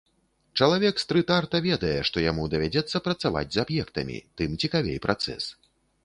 Чалавек стрыт-арта ведае, што яму давядзецца працаваць з аб'ектамі, тым цікавей працэс.